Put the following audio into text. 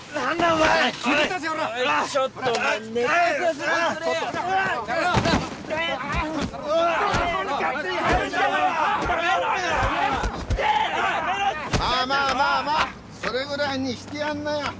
まあまあまあまあそれぐらいにしてやんなよ。